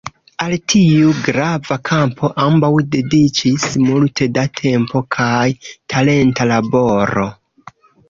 Al tiu grava kampo ambaŭ dediĉis multe da tempo kaj talenta laboro.